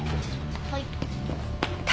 はい。